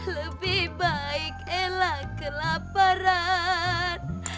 lebih baik ella kelaparan